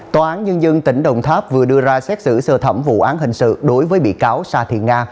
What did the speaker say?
tòa án nhân dân tỉnh đồng tháp vừa đưa ra xét xử sơ thẩm vụ án hình sự đối với bị cáo sa thị nga